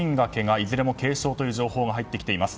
いずれも軽傷という情報が入ってきています。